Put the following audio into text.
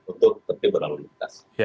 untuk berlalu lintas